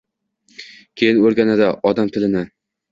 keyin oʼrganadi odam tilini.